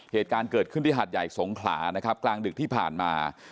เหตุการณ์เกิดขึ้นที่หาดใหญ่สงขลานะครับกลางดึกที่ผ่านมา